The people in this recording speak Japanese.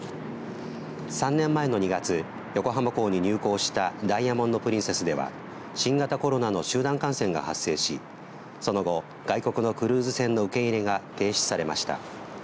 ３年前の２月、横浜港に入港したダイヤモンド・プリンセスでは新型コロナの集団感染が発生しその後、外国のクルーズ船の受け入れが停止されました。